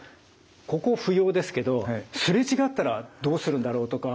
ここ不要ですけどすれ違ったらどうするんだろうとか。